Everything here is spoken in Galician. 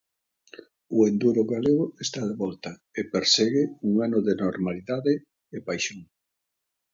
O enduro galego está de volta e persegue un ano de normalidade e paixón.